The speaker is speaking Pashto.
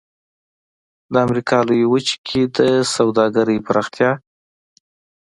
د امریکا لویې وچې کې د سوداګرۍ پراختیا.